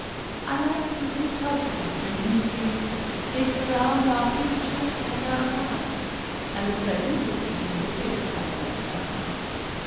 'I like a little puzzle and mystery they surround our future and our past; and the present would be insipid, I think, without them.